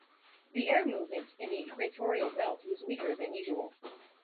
The air movement in the equatorial belt was weaker than usual.